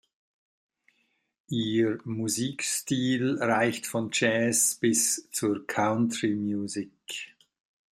Ihr Musikstil reicht von Jazz bis zur Countrymusik.